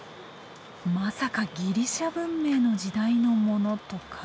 まさかギリシャ文明の時代のものとか？